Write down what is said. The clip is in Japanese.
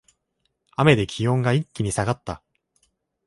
雨で気温が一気に下がった